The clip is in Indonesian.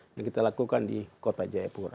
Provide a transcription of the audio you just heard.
yang kita lakukan di kota jayapura